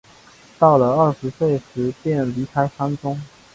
到了二十岁时便离开山中。